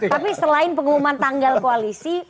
tapi selain pengumuman tanggal koalisi